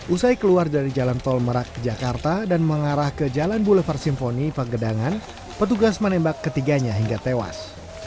usai keluar dari jalan tol merak ke jakarta dan mengarah ke jalan boulevar simfoni pagedangan petugas menembak ketiganya hingga tewas